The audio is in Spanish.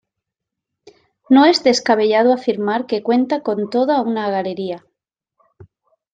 No es descabellado afirmar que cuenta con toda una galería.